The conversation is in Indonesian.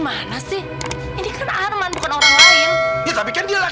bodoh sekurang kurangnya beriru